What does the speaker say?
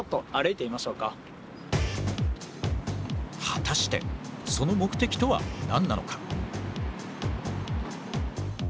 果たしてその目的とは何なのか。